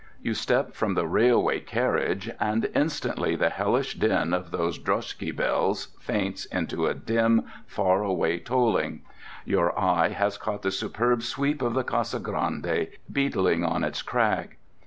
You step from the railway carriage—and instantly the hellish din of those droschky bells faints into a dim, far away tolling. Your eye has caught the superb sweep of the Casa Grande beetling on its crag.